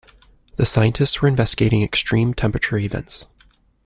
The scientists were investigating extreme temperature events.